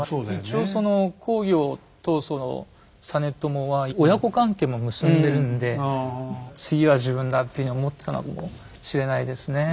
一応その公暁と実朝は親子関係も結んでるんで次は自分だっていうふうに思ってたのかもしれないですね。